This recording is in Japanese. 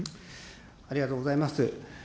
ありがとうございます。